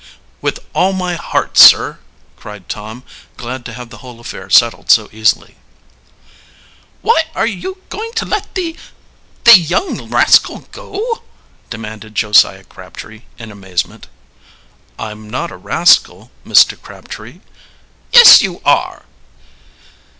"With all my heart, sir!" cried Tom, glad to have the whole affair settled so easily. "Why, are you going to let the the young rascal go?" demanded Josiah Crabtree, in amazement. "I'm not a rascal, Mr. Crabtree." "Yes, you are!"